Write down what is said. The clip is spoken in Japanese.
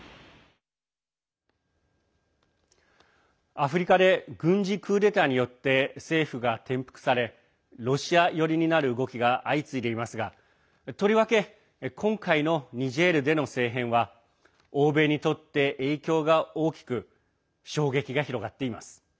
アフリカで軍事クーデターによって政府が転覆されロシア寄りになる動きが相次いでいますがとりわけ今回のニジェールでの政変は欧米にとって影響が大きく衝撃が広がっています。